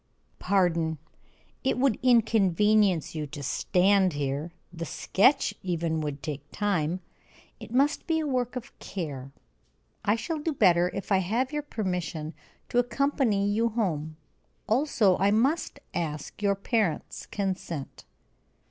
"Pardon. It would inconvenience you to stand here; the sketch even would take time. It must be a work of care. I shall do better if I have your permission to accompany you home. Also I must ask your parents' consent."